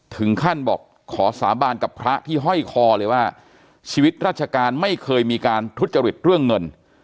ถึงขั้นบอกขอสาบานกับพระที่ห้อยคอเลยว่าชีวิตราชการไม่เคยมีการทุจริตเรื่องเงิน